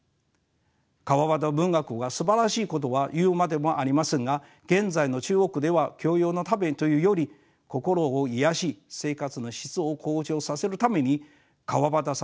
川端文学がすばらしいことは言うまでもありませんが現在の中国では教養のためというより心を癒やし生活の質を向上させるために川端作品が選ばれてるのです。